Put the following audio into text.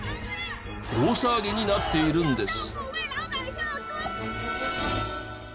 大騒ぎになっているんです。